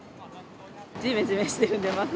じめじめしてるんで。